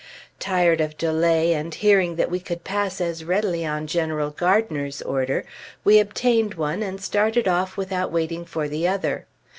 Tired of delay, and hearing that we could pass as readily on General Gardiner's order, we obtained one and started off without waiting for the other.